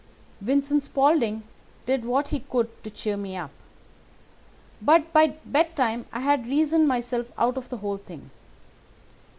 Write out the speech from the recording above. Vincent Spaulding did what he could to cheer me up, but by bedtime I had reasoned myself out of the whole thing.